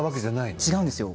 違うんです